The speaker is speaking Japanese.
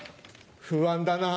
不安だなぁ。